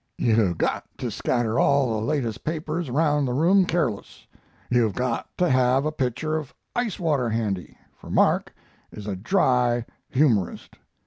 Yu hav got to skatter all the latest papers around the room careless, you hav got to hav a pitcher ov icewater handy, for Mark is a dry humorist.